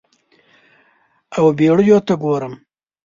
او بیړیو ته ګورم